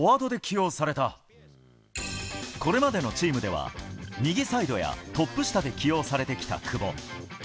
これまでのチームでは、右サイドやトップ下で起用されてきた久保。